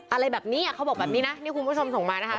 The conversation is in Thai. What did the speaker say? อะไรแบบนี้เขาบอกแบบนี้นะนี่คุณผู้ชมส่งมานะคะ